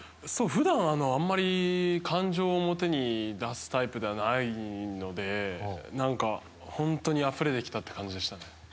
普段あまり感情を表に出すタイプではないので本当にあふれてきたって感じがしました。